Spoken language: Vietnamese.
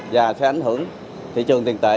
và sẽ ảnh hưởng thị trường tiền tệ